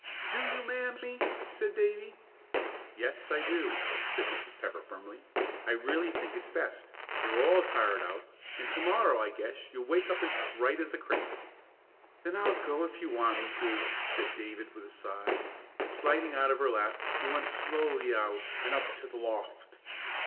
"Do you, Mamsie?" said Davie. "Yes, I do," said Mrs. Pepper, firmly. "I really think it's best. You're all tired out, and to morrow I guess you'll wake up as bright as a cricket." "Then I'll go if you want me to," said David, with a sigh, and sliding out of her lap he went slowly out and up to the loft.